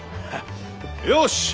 よし！